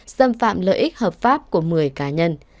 xâm phạm lợi ích hợp pháp của một mươi cá nhân